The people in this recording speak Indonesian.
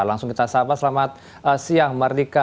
langsung kita sabar selamat siang merdeka